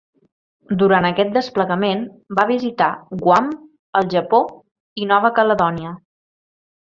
Durant aquest desplegament, va visitar Guam, el Japó i Nova Caledònia.